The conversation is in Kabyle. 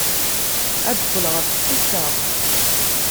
Ad d-qqleɣ ɣef ssetta.